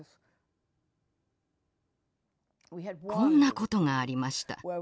こんなことがありました。